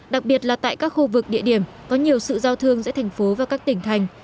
đặc biệt là tại các khu vực địa điểm có nhiều sự giao thương giữa thành phố và các tỉnh thành